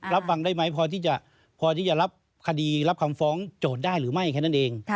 รับฟังได้ไหมพอที่จะรับคดีรับคำฟ้องโจทย์ได้หรือไม่แค่นั้นเอง